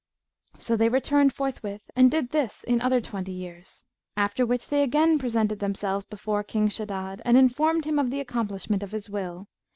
So they returned forthwith and did this in other twenty years; after which they again presented themselves before King Shaddad and informed him of the accomplishment of his will.